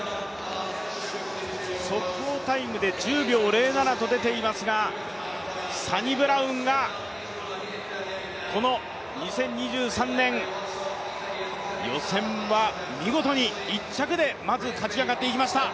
速報タイムで１０秒０７と出ていますが、サニブラウンがこの２０２３年予選は見事に１着でまず勝ち上がっていきました。